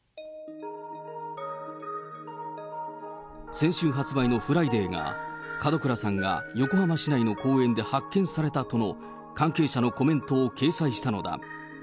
先週発売のＦＲＩＤＡＹが、門倉さんが横浜市内の公園で発見されたとの関係者のコメントを掲載したのだ。